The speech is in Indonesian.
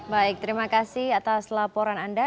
baik terima kasih atas laporan anda